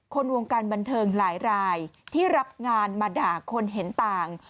คนวงการบันเทิงหลายรายที่รับงานมาด่าคนเห็นต่าง